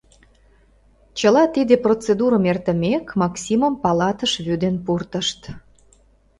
Чыла тиде процедурым эртымек, Максимым палатыш вӱден пуртышт.